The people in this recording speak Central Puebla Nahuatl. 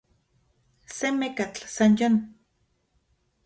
Se mekatl, san yon.